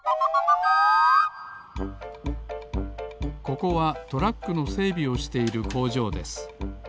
ここはトラックのせいびをしているこうじょうですコンコン。